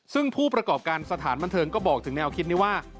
ซึ่งผู้ประกอบการสถานบันเทิงก็บอกถึงแนวคิดนี้ว่า